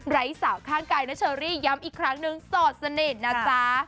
สาวข้างกายนะเชอรี่ย้ำอีกครั้งนึงโสดสนิทนะจ๊ะ